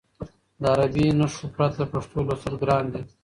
د عربي نښو پرته پښتو لوستل ګران دي.